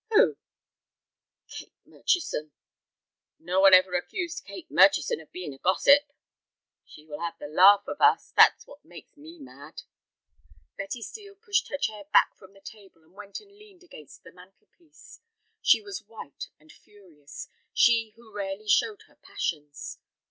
"Who?" "Kate Murchison." "No one ever accused Kate Murchison of being a gossip." "She will have the laugh of us, that is what makes me mad." Betty Steel pushed her chair back from the table, and went and leaned against the mantel piece. She was white and furious, she who rarely showed her passions.